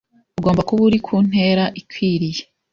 ugomba kuba uri ku ntera ikwiriye